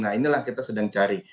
nah inilah kita sedang cari